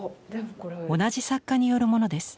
同じ作家によるものです。